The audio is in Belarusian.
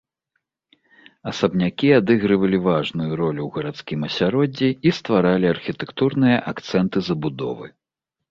Асабнякі адыгрывалі важную ролю ў гарадскім асяроддзі і стваралі архітэктурныя акцэнты забудовы.